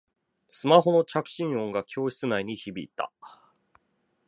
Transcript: スマホの着信音が教室内に響いた